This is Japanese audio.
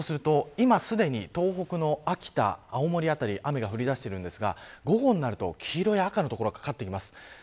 そうすると今すでに東北の秋田、青森辺りで雨が降りだしているんですが午後になると、黄色や赤の所がかかってきます。